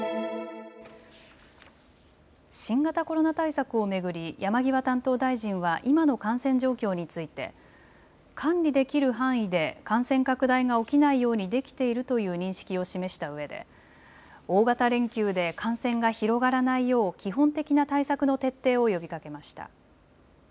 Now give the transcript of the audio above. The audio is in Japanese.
新型コロナ対策を巡り山際担当大臣は今の感染状況について管理できる範囲で感染拡大が起きないようにできているという認識を示したうえで大型連休で感染が広がらないよう基本的な対策の徹底を呼びかけました。